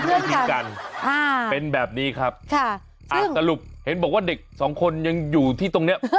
เพื่อนกันให้ทิ้งกันเป็นแบบนี้ครับสรุปเห็นบอกว่าเด็กสองคนยังอยู่ที่ตรงเนี่ย